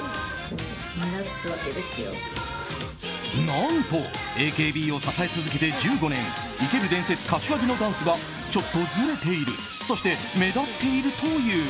何と、ＡＫＢを支え続けて１５年生ける伝説・柏木のダンスはちょっとずれているそして、目立っているという。